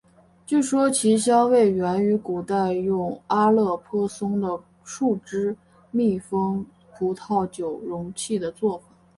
据说其香味源于古代用阿勒颇松的树脂密封葡萄酒容器的做法。